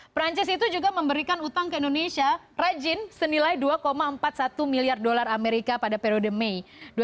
perancis itu juga memberikan utang ke indonesia rajin senilai dua empat puluh satu miliar dolar amerika pada periode mei dua ribu dua puluh